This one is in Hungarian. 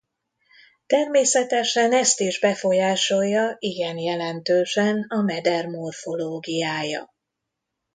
Természetesen ezt is befolyásolja igen jelentősen a meder morfológiája.